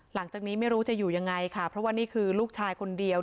หลังจากนี้ไม่รู้จะอยู่ยังไงค่ะเพราะว่านี่คือลูกชายคนเดียว